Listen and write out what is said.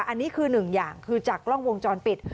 อันนี้คือหนึ่งอย่างคือจากกล้องวงจรปิด